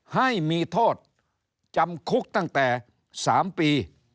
ให้มีโทษจำคุกตั้งแต่๓ปี